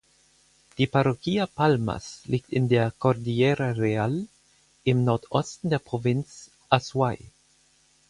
Die Parroquia Palmas liegt in der Cordillera Real im Nordosten der Provinz Azuay.